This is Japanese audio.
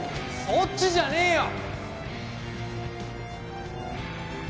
そっちじゃねえよ！